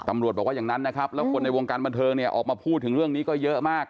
ตำรวจบอกว่าอย่างนั้นนะครับแล้วคนในวงการบันเทิงเนี่ยออกมาพูดถึงเรื่องนี้ก็เยอะมาก